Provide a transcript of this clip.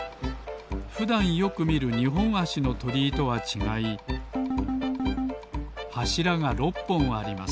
ふだんよくみる２ほんあしのとりいとはちがいはしらが６ぽんあります